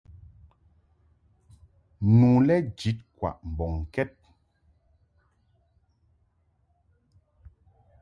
Nu lɛ jid kwaʼ mbɔŋkɛd.